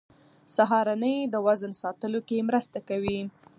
سهارنۍ د وزن ساتلو کې مرسته کوي.